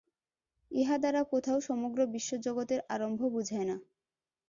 ইহা দ্বারা কোথাও সমগ্র বিশ্বজগতের আরম্ভ বুঝায় না।